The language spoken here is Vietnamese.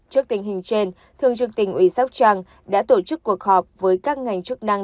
trước tình hình trên thương trường tỉnh ủy sóc trăng đã tổ chức cuộc họp với các ngành chức năng